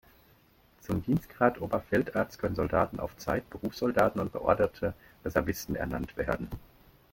Zum Dienstgrad Oberfeldarzt können Soldaten auf Zeit, Berufssoldaten und beorderte Reservisten ernannt werden.